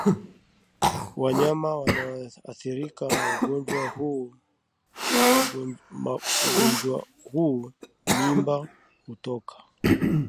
Wanyama wanaoathirika na ugonjwa huu mimba hutoka